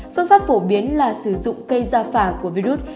phương pháp phổ biến là sử dụng cây da phả của virus